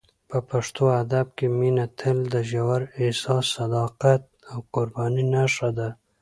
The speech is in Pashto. په پښتو ادب کې مینه تل د ژور احساس، صداقت او قربانۍ نښه ده.